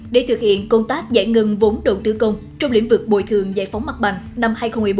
để thực hiện công tác giải ngân vốn đầu tư công trong lĩnh vực bồi thường giải phóng mặt bằng năm hai nghìn một mươi bốn